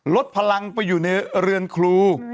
ลดพลังไปอยู่ในเรือนครู